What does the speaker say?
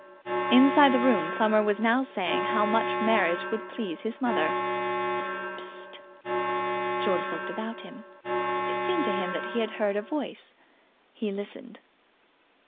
Inside the room Plummer was now saying how much the marriage would please his mother. "Psst!" George looked about him. It seemed to him that he had heard a voice. He listened.